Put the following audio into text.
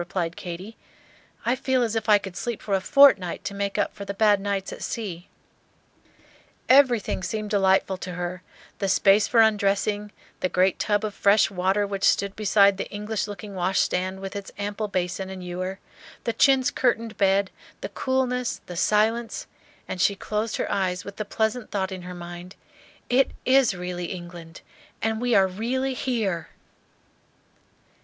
replied Katy. "I feel as if I could sleep for a fortnight to make up for the bad nights at sea." Everything seemed delightful to her, the space for undressing, the great tub of fresh water which stood beside the English looking washstand with its ample basin and ewer, the chintz curtained bed, the coolness, the silence, and she closed her eyes with the pleasant thought in her mind, "It is really England and we are really here!"